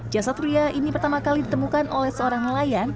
jasad pria ini pertama kali ditemukan oleh seorang nelayan